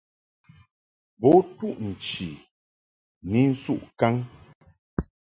Bo ntuʼ nchi ni nsuʼ kaŋ.